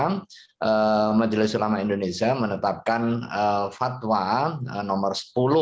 pertama majelis ulama indonesia menetapkan fatwa nomor sepuluh